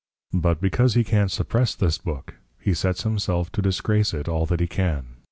_ But because he can't Suppress this Book, he sets himself, to Disgrace it all that he can.